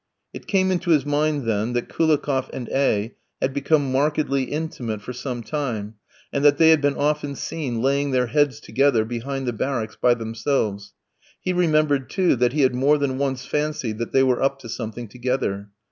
It came into his mind, then, that Koulikoff and A v had become markedly intimate for some time, and that they had been often seen laying their heads together behind the barracks, by themselves. He remembered, too, that he had more than once fancied that they were up to something together.